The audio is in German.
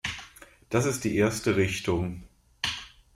Das ist die erste Richtung.